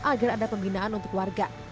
agar ada pembinaan untuk warga